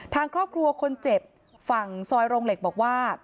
ทางครอบครัวคนเจ็บฝั่งซอยโรงเหล็กบอกว่า